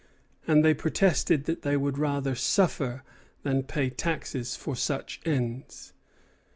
And they protested that they would rather "suffer" than pay taxes for such ends.